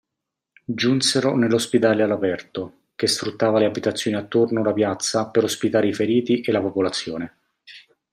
Giunsero nell'ospedale all'aperto, che sfruttava le abitazioni attorno la piazza per ospitare i feriti e la popolazione.